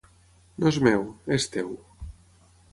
No és meu; és teu.